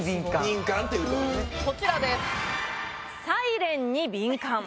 こちらです。